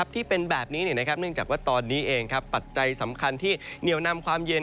ที่เป็นแบบนี้เนื่องจากว่าตอนนี้เองปัจจัยสำคัญที่เหนียวนำความเย็น